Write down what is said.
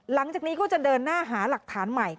หลังจากนี้ก็จะเดินหน้าหาหลักฐานใหม่